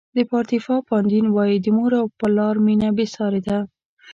پاردیفا پاندین وایي د مور او پلار مینه بې سارې ده.